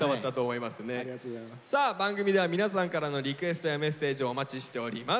さあ番組では皆さんからのリクエストやメッセージをお待ちしております。